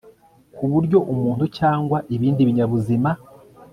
ku buryo umuntu cyangwa ibindi binyabuzima